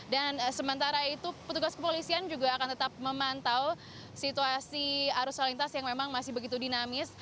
dan sementara itu petugas kepolisian juga akan tetap memantau situasi arus saling tas yang memang masih begitu dinamis